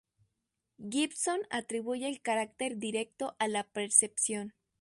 Gibson atribuye el carácter directo a la percepción.